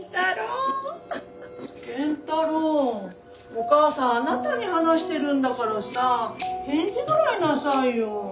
お母さんあなたに話してるんだからさ返事ぐらいなさいよ。